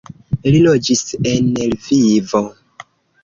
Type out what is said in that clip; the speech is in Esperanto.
Li loĝis en Lvivo.